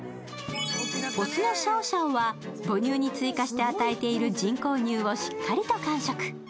雄のシャオシャオは母乳に追加して与えている人工乳をしっかりと完食。